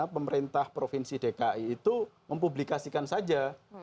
pemerintah provinsi dki itu mempublikasikan saja